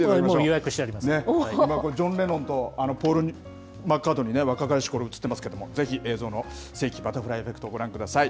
これ、ジョン・レノンとポール・マッカートニーね、若かりしころ、写ってますけれども、映像の世紀バタフライエフェクト、ご覧ください。